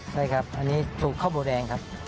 ใช่ครับอันนี้สูตรข้าวหมูแดงครับ